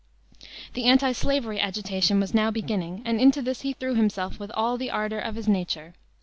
The antislavery agitation was now beginning, and into this he threw himself with all the ardor of his nature.